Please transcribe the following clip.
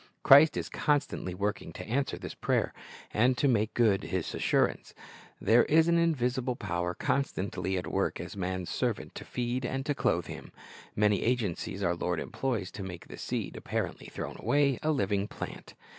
"^ Christ is constantly working to answer this prayer, and to make good this assurance. There is an invisible power constantly at work as man's servant to feed and to clothe him. Many agencies our Lord employs to make the seed, apparently thrown away, a living plant.